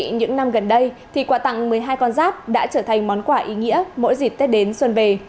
những năm gần đây quả tặng một mươi hai con giáp đã trở thành món quả ý nghĩa mỗi dịp tết đến xuân về